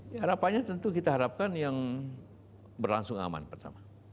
ya harapannya tentu kita harapkan yang berlangsung aman pertama